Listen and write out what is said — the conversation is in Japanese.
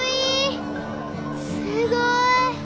すごい。